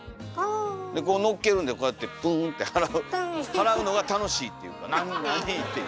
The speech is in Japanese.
でこうのっけるんでこうやってプンって払うのが楽しいっていうか「何？」っていう。